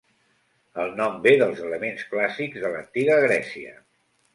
El nom ve dels elements clàssics de l'antiga Grècia.